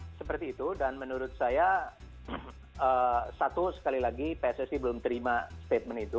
ya seperti itu dan menurut saya satu sekali lagi pssi belum terima statement itu